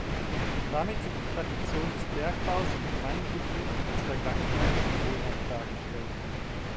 Damit wird die Tradition des Bergbaus im Gemeindegebiet als Vergangenheit symbolhaft dargestellt.